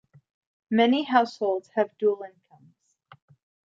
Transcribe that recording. Many households have dual-incomes.